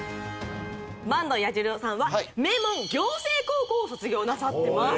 彌十郎さんは名門暁星高校を卒業なさってます。